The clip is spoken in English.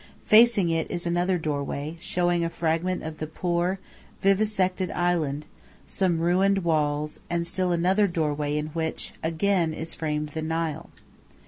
Facing it is another doorway, showing a fragment of the poor, vivisected island, some ruined walls, and still another doorway in which, again, is framed the Nile.